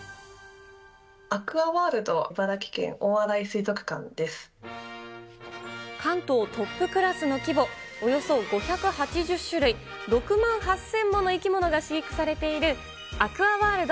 アクアワールド茨城県大洗水関東トップクラスの規模、およそ５８０種類、６万８０００もの生き物が飼育されているアクアワールド